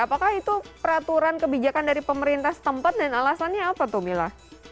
apakah itu peraturan kebijakan dari pemerintah setempat dan alasannya apa tuh mila